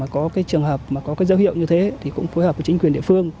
có trường hợp có dấu hiệu như thế cũng phối hợp với chính quyền địa phương